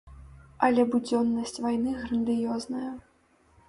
Але будзённасць вайны грандыёзная.